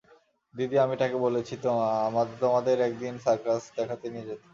দিদি, আমি তাঁকে বলেছি তোমাদের একদিন সার্কাস দেখাতে নিয়ে যেতে।